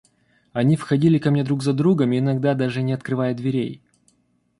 Они входили ко мне друг за другом, иногда даже не открывая дверей.